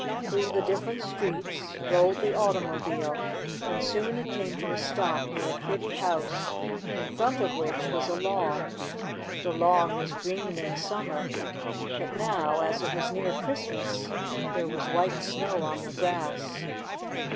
Through the different streets rolled the 4* 50 STORY OP A SAWDUST DOLL automobile, and soon it came to a stop near a pretty house in front of which was a lawn. The lawn was green in summer, but now, as it was near Christmas, there was white snow on the grass.